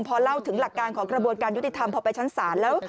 พอเล่าถึงหลักการของกระบวนการยุติธรรมพอไปชั้นศาลแล้ว